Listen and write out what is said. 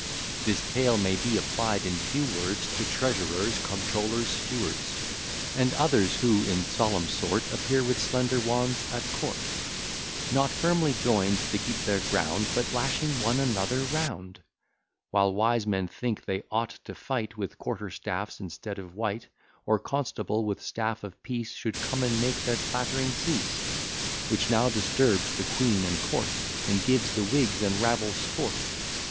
This tale may be applied in few words, To treasurers, comptrollers, stewards; And others, who, in solemn sort, Appear with slender wands at court; Not firmly join'd to keep their ground, But lashing one another round: While wise men think they ought to fight With quarterstaffs instead of white; Or constable, with staff of peace, Should come and make the clatt'ring cease; Which now disturbs the queen and court, And gives the Whigs and rabble sport.